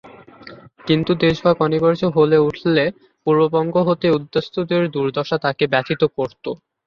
কিন্তু দেশভাগ অনিবার্য হলে উঠলে পূর্ববঙ্গ হতে উদ্বাস্তুদের দুর্দশা তাকে ব্যথিত করত।